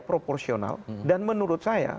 proporsional dan menurut saya